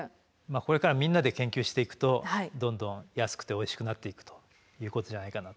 これからみんなで研究していくとどんどん安くておいしくなっていくということじゃないかなと。